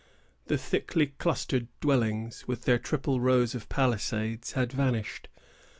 The thickly clustered dwellings, with their triple rows of palisades, had vanished.